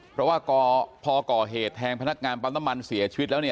เพราะว่าพอก่อเหตุแทงพนักงานปั๊มน้ำมันเสียชีวิตแล้ว